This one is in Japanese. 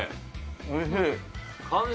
おいしい。